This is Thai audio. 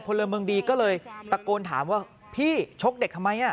พลเมืองดีก็เลยตะโกนถามว่าพี่ชกเด็กทำไม